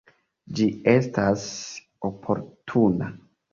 Ĝi estas oportuna.